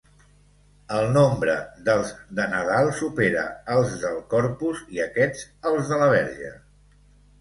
El nombre dels de Nadal supera als del Corpus i aquests als de la Verge.